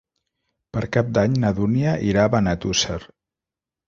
Per Cap d'Any na Dúnia irà a Benetússer.